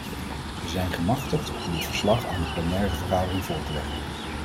Wij zijn gemachtigd om een verslag aan de plenaire vergadering voor te leggen.